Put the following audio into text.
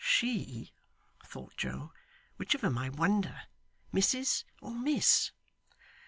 'She,' thought Joe. 'Which of 'em I wonder Mrs or Miss?